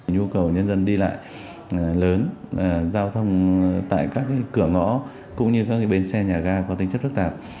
nhu cầu nhân dân đi lại lớn giao thông tại các cửa ngõ cũng như các bến xe nhà ga có tính chất phức tạp